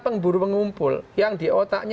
pemburu pengumpul yang di otaknya